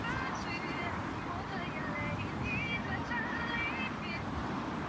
长尾蹄盖蕨为蹄盖蕨科蹄盖蕨属下的一个种。